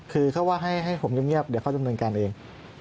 คือเขาว่าให้ผมเงียบเดี๋ยวเขาดำเนินการเอง